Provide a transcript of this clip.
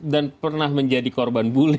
dan pernah menjadi korban buli